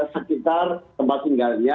sekitar tempat tinggalnya